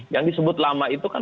yang disebut lama itu kan